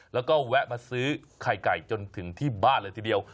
แล้วก็แวะมาซื้อไข่ไก่จนถึงที่บ้านเลยทีเดียว